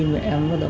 mẹ em bắt đầu